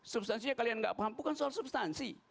substansinya kalian nggak paham bukan soal substansi